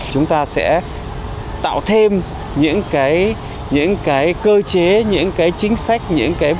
chúng ta sẽ tạo thêm những cái cơ chế những cái chính sách